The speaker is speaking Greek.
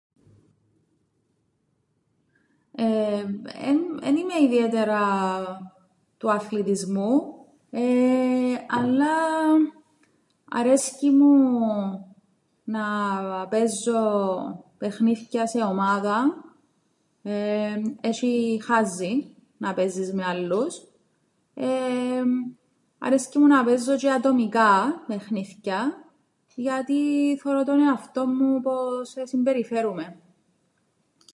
Εν είμαι ιδιαίτερα του αθλητισμού αλλά αρέσκει μου να παίζω παιχνίθκια σε ομάδαν, έσ̆ει χάζιν να παίζεις με άλλους. Εεεμ αρέσκει μου να παίζω τζ̆αι ατομικά παιχνίθκια γιατί θωρώ τον εαυτόν μου πώς συμπεριφέρομαι.